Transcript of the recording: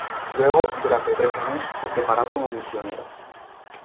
Luego, durante tres años, se preparó como misionero.